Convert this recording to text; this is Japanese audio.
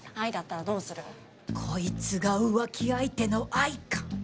こいつが浮気相手の愛衣か！